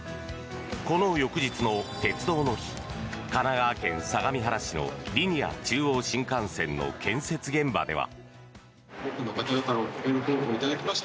この翌日の鉄道の日神奈川県相模原市のリニア中央新幹線の建設現場では。